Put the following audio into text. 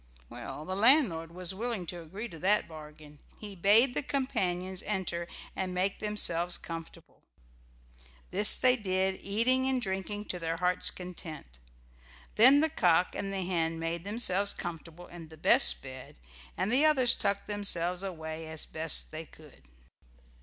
Well, the landlord was willing to agree to that bargain. He bade the companions enter and make themselves comfortable. This they did, eating and drinking to their hearts' content. Then the cock and the hen made themselves comfortable in the best bed, and the others tucked themselves away as best they could.